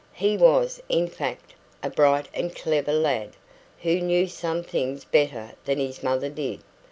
He was, in fact, a bright and clever lad, who knew some things better than his mother did.